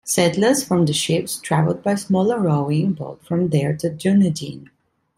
Settlers from the ships travelled by smaller rowing boat from there to Dunedin.